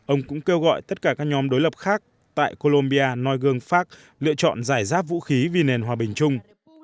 ông cũng kêu gọi tất cả các nhóm đối lập khác tại colombia nói gương pháp lựa chọn giải giáp vũ khí vì nền hòa bình chung